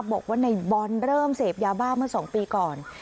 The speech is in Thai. บอกว่าในบอลเริ่มเสพยาบ้าเมื่อ๒ปีก่อน